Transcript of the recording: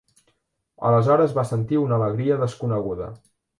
Aleshores va sentir una alegria desconeguda